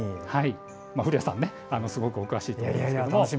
古谷さんもすごくお詳しいと思いますが。